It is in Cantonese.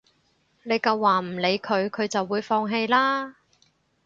你夠話唔理佢，佢就會放棄啦